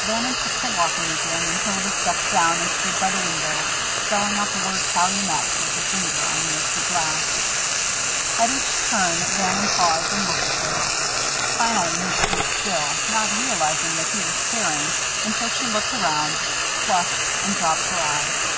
Bannon took to walking again; and Hilda stepped down and stood by the window, spelling out the word "Calumet" with her finger on the misty glass. At each turn, Bannon paused and looked at her. Finally he stood still, not realizing that he was staring until she looked around, flushed, and dropped her eyes.